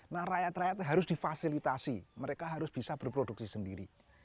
nah rakyat rakyat harus difasilitasi mereka harus bisa berproduksi sendiri